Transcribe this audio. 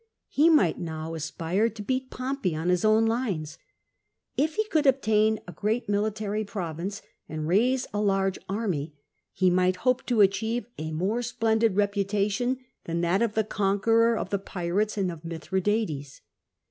He might now aspire to beat Pompey on his own lines. If he could obtain a great military province and raise a large army, he might hope to achieve a more splendid reputation than that of the conqueror of the Pirates and of Mithradates.